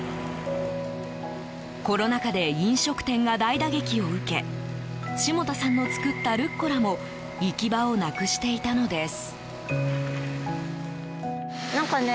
コロナ禍で飲食店が大打撃を受け霜多さんの作ったルッコラも行き場をなくしていたのです。